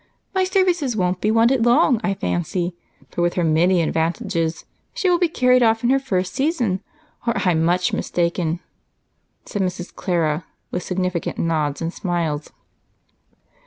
My services won't be wanted long, I fancy, for with her many advantages she will be carried off in her first season or I'm much mistaken," said Mrs. Clara, with significant nods and smiles.